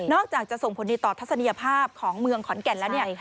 อกจากจะส่งผลดีต่อทัศนียภาพของเมืองขอนแก่นแล้วเนี่ย